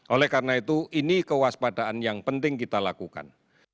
oleh karena itu ini kewaspadaan yang penting kita lakukan